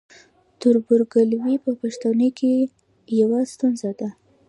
تربورګلوي په پښتنو کې یوه ستونزه ده.